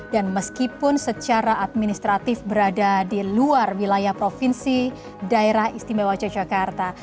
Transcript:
dan meskipun secara administratif berada di luar wilayah provinsi daerah istimewa yogyakarta